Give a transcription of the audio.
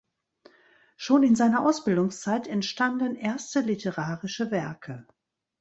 Schon in seiner Ausbildungszeit entstanden erste literarische Werke.